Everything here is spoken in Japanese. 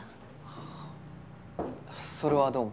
はあそれはどうも。